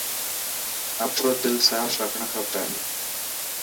آپرو دل ساف رکڻ کپي.